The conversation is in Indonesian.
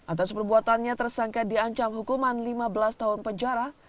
atas perbuatannya tersangka diancam hukuman lima belas tahun penjara